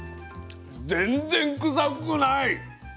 全然くさくない。